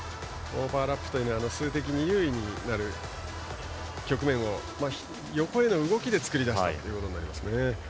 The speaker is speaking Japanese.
オーバーラップとは数的優位になる局面を、横への動きで作り出したことになります。